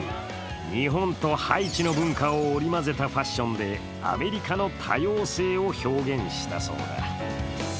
日本とハイチの文化を織り交ぜたファッションでアメリカの多様性を表現したそうだ。